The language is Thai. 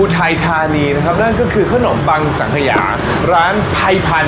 ทนีนะครับนั่นก็คือขนมปังสังเฮียร้านใภพันธ์